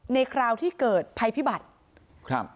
คราวที่เกิดภัยพิบัติครับ